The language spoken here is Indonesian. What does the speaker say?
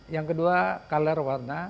yang kedua color warna